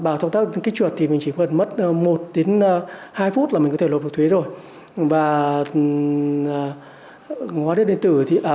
bằng thông tác kích chuột thì mình chỉ cần mất một đến hai phút là mình có thể lục được thuế rồi